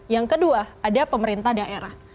yang kedua ada pemerintah daerah